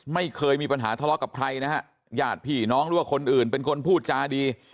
ไม่เคยมีปัญหาทะเลาะกับใครนะฮะญาติพี่น้องหรือว่าคนอื่นเป็นคนพูดจาดี